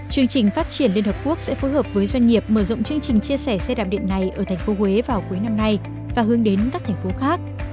chương trình phát triển liên hợp quốc sẽ phối hợp với doanh nghiệp mở rộng chương trình chia sẻ xe đạp điện này ở thành phố huế vào cuối năm nay và hướng đến các thành phố khác